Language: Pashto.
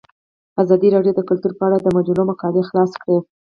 ازادي راډیو د کلتور په اړه د مجلو مقالو خلاصه کړې.